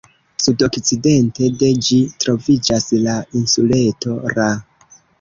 Sudokcidente de ĝi troviĝas la insuleto Ra.